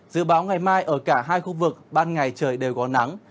dự báo ngày mai ở cả hai khu vực ban ngày trời đều có nắng